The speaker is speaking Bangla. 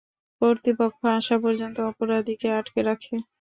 কর্তৃপক্ষ আসা পর্যন্ত অপরাধীকে আটকে রাখে।